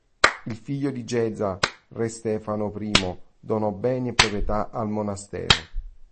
Il figlio di Géza, re Stefano I, donò beni e proprietà al monastero.